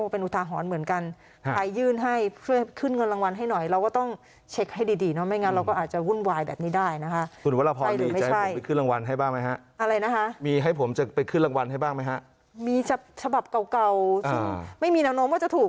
เป็นอุทหะหอนเหมือนกัน๖